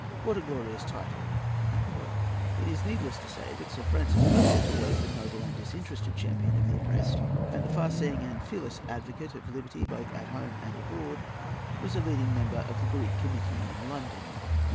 What a glorious title!" It is needless to say that Sir Francis Burdett, always the noble and disinterested champion of the oppressed, and the far seeing and fearless advocate of liberty both at home and abroad, was a leading member of the Greek Committee in London.